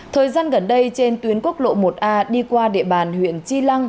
thời gian gần đây trên tuyến quốc lộ một a đi qua địa bàn huyện chi lăng